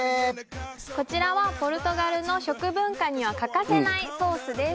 こちらはポルトガルの食文化には欠かせないソースです